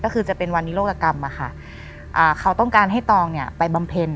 ก็คือจะเป็นวันนี้โลกกรรมอะค่ะเขาต้องการให้ตองเนี่ยไปบำเพ็ญ